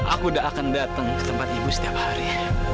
aku udah akan datang ke tempat ibu setiap hari